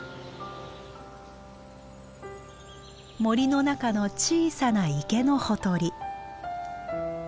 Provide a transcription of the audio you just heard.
森の中の小さな池のほとり。